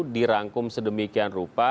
dirangkum sedemikian rupa